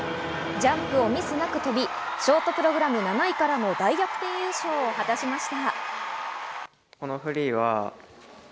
ジャンプをミスなく跳び、ショートプログラム７位からの大逆転優勝を果たしました。